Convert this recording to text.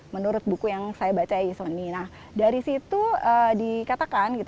menurut buku yang saya baca dari situ dikatakan